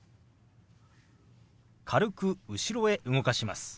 軽く後ろへ動かします。